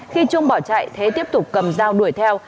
khi trung bỏ chạy thế tiếp tục cầm dao đuổi theo